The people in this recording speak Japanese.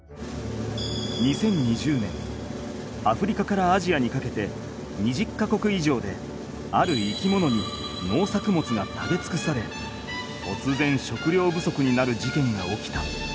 ２０２０年アフリカからアジアにかけて２０か国いじょうである生き物に農作物が食べつくされとつぜん食料不足になるじけんが起きた。